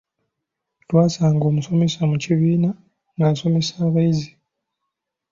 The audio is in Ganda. Twasanga omusomesa mu kibiina ng'asomesa abayizi.